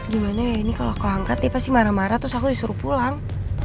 gimana ya ini kalo kau angkat dia pasti marah marah terus aku disuruh pulang